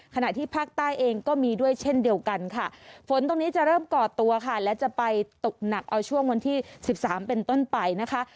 ขณะที่ภาคใต้เองก็มีด้วยเช่นเดียวกันค่ะฝนตรงนี้จะเริ่มก่อตัวค่ะและจะไปตกหนักเอาช่วงวันที่๑๓เป็นต้นไปนะคะ